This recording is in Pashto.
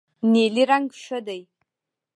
نیلی رنګ ښه دی.